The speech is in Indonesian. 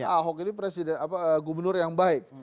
ahok ini gubernur yang baik